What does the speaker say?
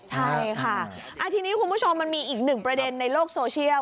ใช่ค่ะทีนี้คุณผู้ชมมันมีอีกหนึ่งประเด็นในโลกโซเชียล